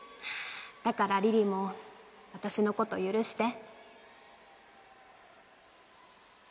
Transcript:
だから梨々も私のこと許して。